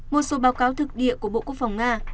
một số báo cáo thực địa của bộ quốc phòng nga